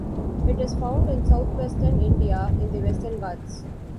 It is found in southwestern India in the Western Ghats.